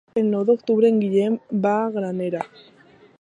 El nou d'octubre en Guillem va a Granera.